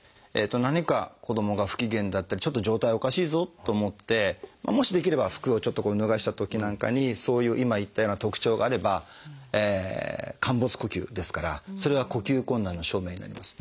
何か子どもが不機嫌だったりちょっと状態おかしいぞと思ってもしできれば服をちょっと脱がしたときなんかにそういう今言ったような特徴があれば陥没呼吸ですからそれは呼吸困難の証明になります。